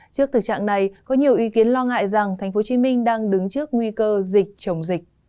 trước thực trạng này có nhiều ý kiến lo ngại rằng thành phố hồ chí minh đang đứng trước nguy cơ dịch chống dịch